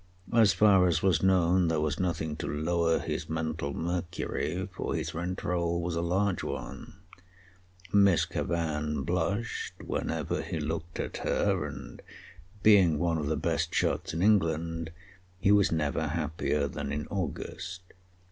As far as was known there was nothing to lower his mental mercury, for his rent roll was a large one, Miss Cavan blushed whenever he looked at her, and, being one of the best shots in England, he was never happier than in August.